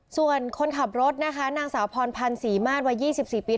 ส่วนคนขับรถนะคะนางสาวพรพันธ์ศรีมาตรวัย๒๔ปี